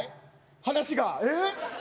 話がえっ？